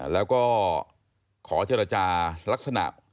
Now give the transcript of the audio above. แล้วก็ขอเจรจาลักษณะ